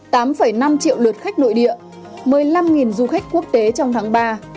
tám năm triệu lượt khách nội địa một mươi năm du khách quốc tế trong tháng ba